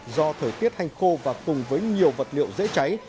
do thời tiết hành khô và cùng với nhiều vật liệu dễ cháy